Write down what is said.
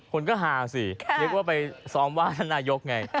คนก็ฮาสินึกว่าไปซ้อมว่าท่านนายกไง